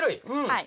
はい。